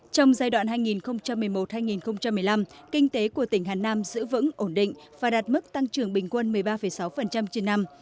trong giai đoạn hai nghìn một mươi một hai nghìn một mươi năm kinh tế của tỉnh hà nam giữ vững ổn định và đạt mức tăng trưởng bình quân một mươi ba sáu trên năm